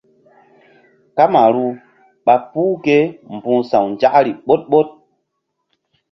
Kamaru ɓa puh ke mbu̧h sa̧w nzakri ɓoɗ ɓoɗ.